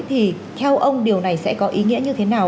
thì theo ông điều này sẽ có ý nghĩa như thế nào